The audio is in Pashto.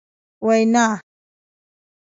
وینا ...